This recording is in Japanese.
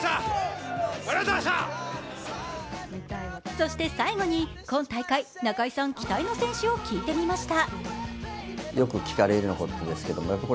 そして最後に今大会、中居さん期待の選手を聞いてみました。